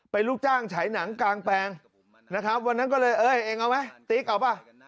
เป็นลูกจ้างฉายหนังกลางแปลงนะครับวันนั้นก็เลยเอ้ยเองเอาไหมติ๊กเอาป่ะ